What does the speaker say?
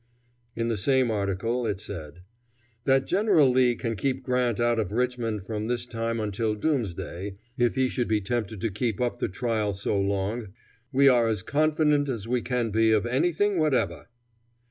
In the same article it said: "That General Lee can keep Grant out of Richmond from this time until doomsday, if he should be tempted to keep up the trial so long, we are as confident as we can be of anything whatever."